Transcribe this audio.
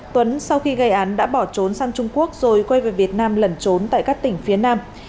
tuấn sau khi gây án đã bỏ trốn sang trung quốc rồi quay về việt nam lẩn trốn tại các tỉnh phía nam